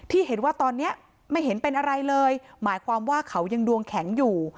ที่เห็นว่าตอนนี้ไม่เห็นเป็นอะไรเลยหมายความว่าเขายังดวงแข็งอยู่